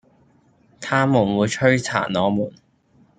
他們會摧殘我們